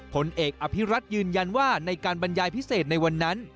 ผลเอกอภิรัตยืนยันว่าในการบรรยายพิเศษในวันนั้น